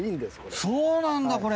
そうなんだこれ！